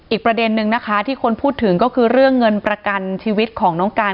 อีกประเด็นนึงนะคะที่คนพูดถึงก็คือเรื่องเงินประกันชีวิตของน้องการ